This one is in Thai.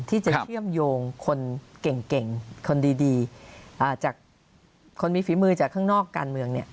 ที่จะเชื่อมโยงคนเก่งคนดีจากคนมีฝีมือจากข้างนอกการเมืองเนี่ย